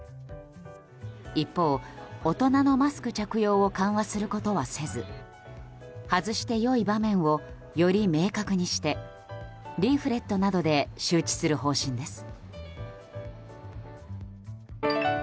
一方、大人のマスク着用を緩和することはせず外してよい場面をより明確にしてリーフレットなどで周知する方針です。